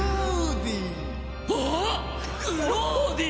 あっグローディ！